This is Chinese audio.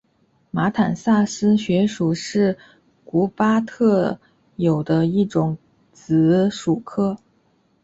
马坦萨斯穴鼠是古巴特有的一种棘鼠科。